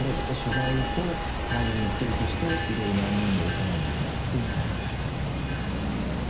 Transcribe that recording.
取材と隊員の一人として色々な任務を行うのとどんな感じなんですか？